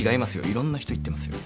いろんな人言ってますよ。